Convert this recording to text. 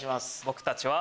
僕たちは。